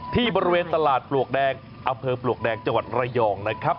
ที่บริเวณตลาดปลวกแดงอำเภอปลวกแดงจังหวัดระยองนะครับ